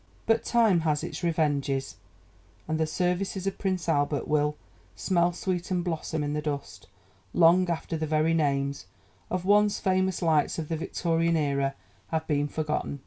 But Time has its revenges, and the services of Prince Albert will "smell sweet and blossom in the dust" long after the very names of once famous lights of the Victorian era have been forgotten.